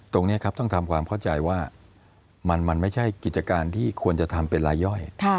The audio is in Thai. ตรงนี้ครับต้องทำความเข้าใจว่ามันไม่ใช่กิจการที่ควรจะทำเป็นรายย่อย